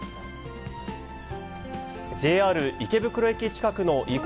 ＪＲ池袋駅近くの違法